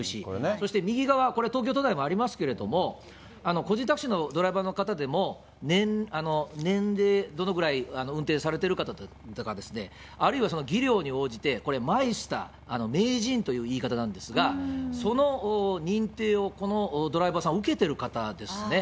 そして右側、これ、東京都内もありますけれども、個人タクシーのドライバーの方でも、年齢、どのくらい運転されてるかだとか、あるいは技量に応じて、これ、マイスター、名人という言い方なんですが、その認定をこのドライバーさんは受けてる方ですね。